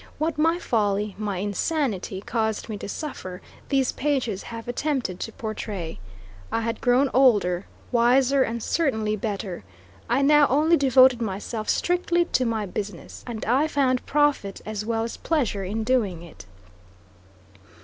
What my folly, my insanity caused me to suffer, these pages have attempted to portray. I had grown older, wiser, and certainly better. I now only devoted myself strictly to my business, and I found profit as well as pleasure in doing it.